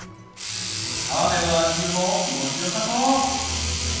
川辺の足湯も気持ち良さそう